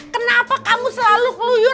kenapa kamu selalu keluyur